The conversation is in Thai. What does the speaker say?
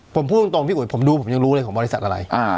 ผมพูดตรงพี่อุ๋ยผมดูผมยังรู้เลยของบริษัทอะไร